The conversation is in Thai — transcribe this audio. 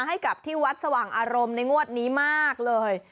ให้กับที่วัดสว่างอารมณ์ในงวดนี้มากเลย